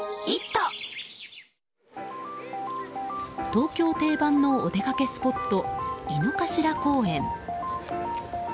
東京定番のお出掛けスポット井の頭公園。